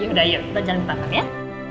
yaudah yuk kita jalan ke taman ya